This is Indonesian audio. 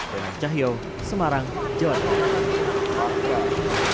dengan cahyaw semarang jawa tenggara